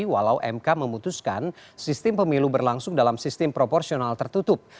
walau mk memutuskan sistem pemilu berlangsung dalam sistem proporsional tertutup